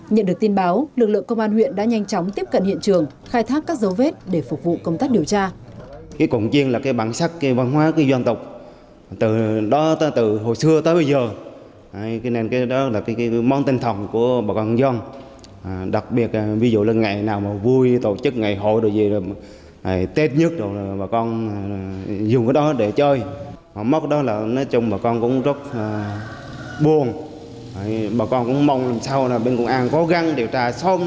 nhận được tin báo lực lượng công an huyện đã nhanh chóng tiếp cận hiện trường khai thác các dấu vết để phục vụ công tác điều tra